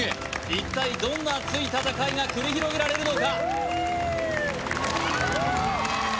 一体どんな熱い戦いが繰り広げられるのか？